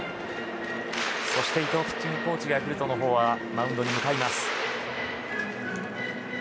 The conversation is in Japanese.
そして伊藤ピッチングコーチがヤクルトのほうはマウンドに向かいます。